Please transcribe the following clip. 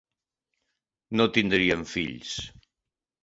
No tindrien fills.